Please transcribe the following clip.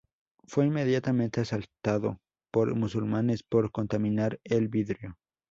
Fue inmediatamente asaltado por musulmanes por "contaminar el vidrio".